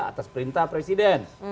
atas perintah presiden